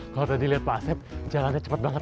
kalau tadi lihat pak asep jalannya cepat banget